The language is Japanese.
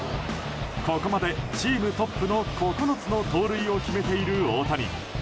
ここまでチームトップの９つの盗塁を決めている大谷。